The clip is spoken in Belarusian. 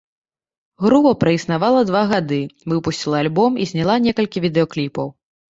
Група праіснавала два гады, выпусціла альбом і зняла некалькі відэакліпаў.